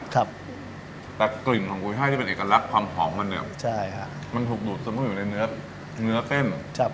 แต่กลิ่นของกุยไห้ที่เป็นเอกลักษณ์ความหอมมันเนี่ยมันถูกดูดสมมุมอยู่ในเนื้อเต้น